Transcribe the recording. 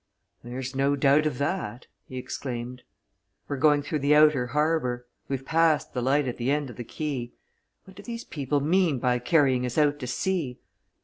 "There's no doubt of that!" he exclaimed. "We're going through the outer harbour we've passed the light at the end of the quay. What do these people mean by carrying us out to sea?